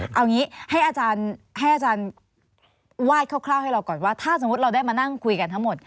เอางี้ให้อาจารย์ให้อาจารย์วาดคร่าวให้เราก่อนว่าถ้าสมมุติเราได้มานั่งคุยกันทั้งหมด